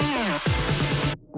saya dari jakarta